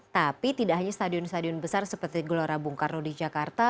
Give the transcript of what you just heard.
tapi tidak hanya stadion stadion besar seperti gelora bung karno di jakarta